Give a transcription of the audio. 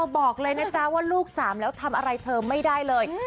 บอกเลยนะจ๊ะว่าลูกสามแล้วทำอะไรเธอไม่ได้เลย